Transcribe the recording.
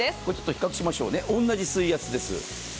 比較しましょうね、同じ水圧です。